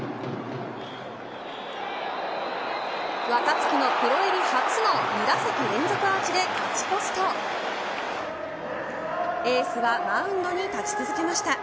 若月のプロ入り初の２打席連続アーチで勝ち越すとエースはマウンドに立ち続けました。